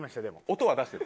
音は出してる？